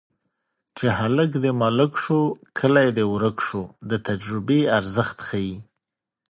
چې هلک دې ملک شو کلی دې ورک شو د تجربې ارزښت ښيي